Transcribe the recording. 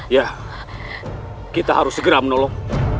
ya kita harus segera menolong